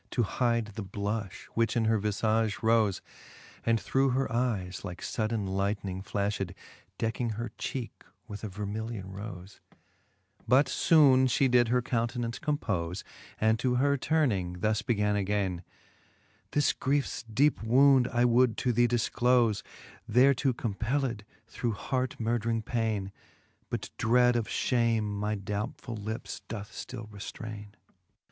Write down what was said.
To hide the blulh;, which in her vifage rofe, And through her eyes like fudden lightning flaftied. Decking her cheeke with a vermilion rofe ; But {bone flie did her countenance compole, And to her turning, thus began againe j This griefes deepe wound I would to thee difclofe, Thereto compelled through hart murdring paine, But dread of fliame my doubtfuU lips doth ftill reftraine.